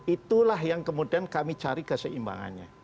itulah yang kemudian kami cari keseimbangannya